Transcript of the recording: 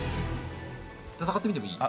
戦ってみてもいい？